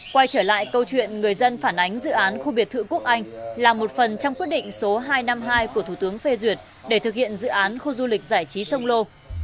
quay trở lại câu chuyện người dân phản ánh dự án khu biệt thự quốc anh là một phần trong quyết định số hai trăm năm mươi hai của thủ tướng phê duyệt để thực hiện dự án khu du lịch giải trí sông lô